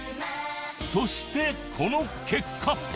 そしてこの結果。